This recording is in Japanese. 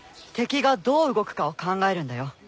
敵がどう動くかを考えるんだよ。